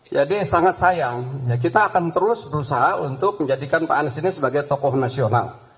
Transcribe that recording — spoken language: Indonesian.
jadi sangat sayang kita akan terus berusaha untuk menjadikan pak anies ini sebagai tokoh nasional